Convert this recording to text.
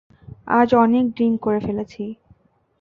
আজ অনেক ড্রিংক করে ফেলেছি।